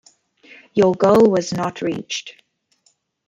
Your goal was not reached.